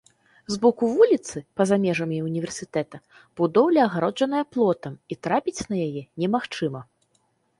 З боку вуліцы, па-за межамі ўніверсітэта, будоўля агароджаная плотам, і трапіць на яе немагчыма.